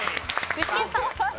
具志堅さん。